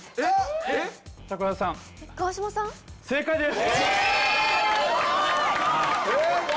正解です。